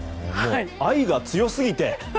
愛が強すぎて！